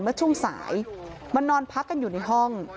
เมื่อช่วงสายมานอนพักกันอยู่ในห้อง